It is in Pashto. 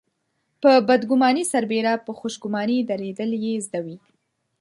په بدګماني سربېره په خوشګماني درېدل يې زده وي.